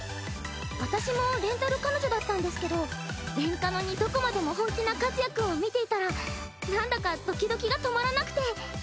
私もレンタル彼女だったんですけどレンカノにどこまでも本気な和也君を見ていたらなんだかドキドキが止まらなくて。